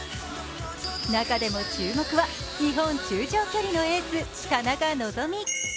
中でも注目は、日本中長距離のエース、田中希実。